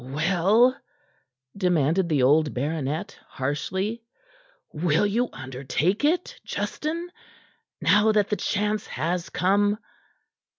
"Well?" demanded the old baronet harshly. "Will you undertake it, Justin, now that the chance has come?"